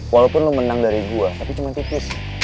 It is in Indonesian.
walaupun lo menang dari gue tapi cuma tipis